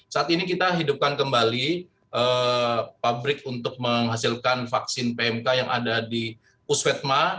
saat ini kita hidupkan kembali pabrik untuk menghasilkan vaksin pmk yang ada di pusvetma